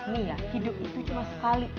nih ya hidup itu cuma sekali